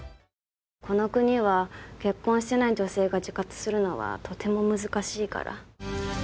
この国は結婚してない女性が自活するのはとても難しいから。